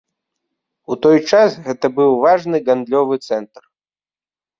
У той час гэта быў важны гандлёвы цэнтр.